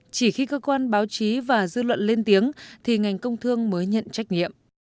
chỉ khi cơ quan báo chí và dư luận lên tiếng thì ngành công thương mới nhận trách nhiệm